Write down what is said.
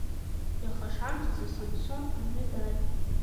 Иаха ашамҭазы Самсон аҩны дааит.